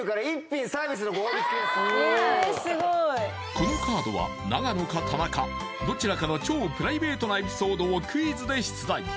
このカードは永野か田中どちらかの超プライベートなエピソードをクイズで出題